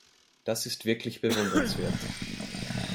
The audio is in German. Das ist wirklich bewundernswert.